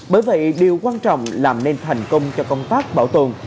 bởi vậy điều quan trọng làm nên thành công cho công tác bảo tồn